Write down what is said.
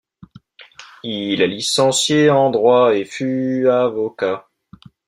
Il est licencié en droit et fut avocat.